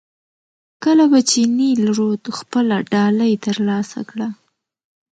کله به چې نیل رود خپله ډالۍ ترلاسه کړه.